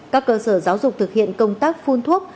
các cơ sở giáo dục thực hiện công tác phun thuốc